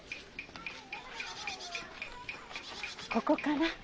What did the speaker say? ここかな。